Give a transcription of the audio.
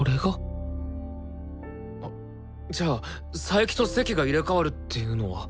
あじゃあ佐伯と席が入れ代わるっていうのは？